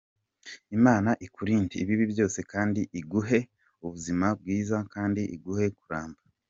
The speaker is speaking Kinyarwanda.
Imana ikurinde ibibi byose kandi iguhe ubuzima bwiza kandi iguhe kuramba.